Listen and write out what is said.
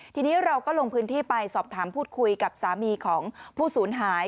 ทีนี้เราก็ลงพื้นที่ไปสอบถามพูดคุยกับสามีของผู้สูญหาย